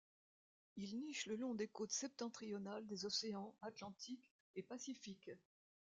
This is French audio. Ils nichent le long des côtes septentrionales des océans Atlantique et Pacifique.